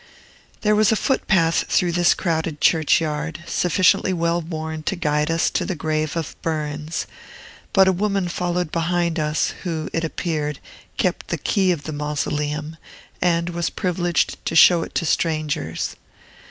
There was a foot path through this crowded churchyard, sufficiently well worn to guide us to the grave of Burns; but a woman followed behind us, who, it appeared, kept the key of the mausoleum, and was privileged to show it to strangers.